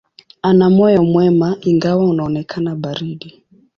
Ana moyo mwema, ingawa unaonekana baridi.